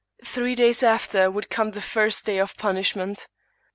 Three days after would come the first day of punishment.